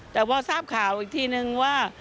แต่พอทราบข่าวอีกทีนึงว่า